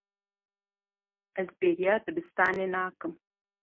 Ez bêriya dibistanê nakim.